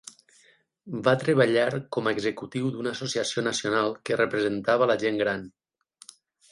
Va treballar com a executiu d'una associació nacional que representava la gent gran.